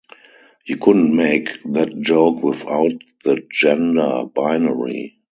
You couldn’t make that joke without the gender binary.